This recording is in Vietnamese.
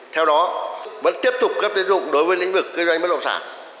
theo đó vẫn tiếp tục cấp tiến dụng đối với lĩnh vực kinh doanh bất động sản